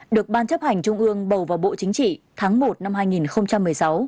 được ban chấp hành trung ương bầu vào bộ chính trị tháng một năm hai nghìn một mươi sáu